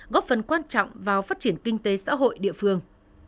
góp phần quan trọng vào phát triển kinh tế xã hội địa phương